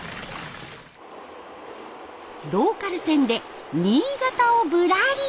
ローカル線で新潟をぶらり。